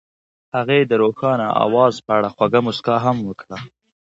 هغې د روښانه اواز په اړه خوږه موسکا هم وکړه.